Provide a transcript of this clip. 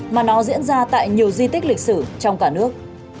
mà nó diễn ra tại nhiều di tích lịch sử trong cả nước